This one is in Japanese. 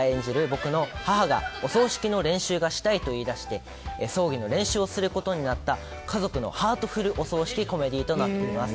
僕の母がお葬式の練習をしたいと言い出して葬儀の練習をすることになった家族のハートフルお葬式コメディーとなっています。